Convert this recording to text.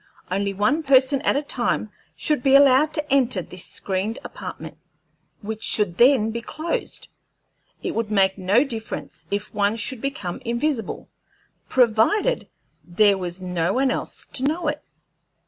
Only one person at a time should be allowed to enter this screened apartment, which should then be closed. It would make no difference if one should become invisible, provided there was no one else to know it.